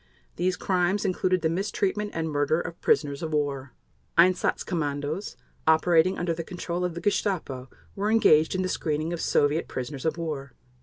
These crimes included the mistreatment and murder of prisoners of war. Einsatz Kommandos operating under the control of the Gestapo were engaged in the screening of Soviet prisoners of war.